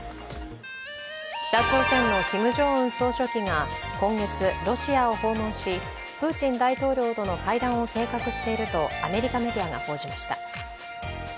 北朝鮮のキム・ジョンウン総書記が今月、ロシアを訪問し、プーチン大統領との会談を計画しているとアメリカメディアが報じました。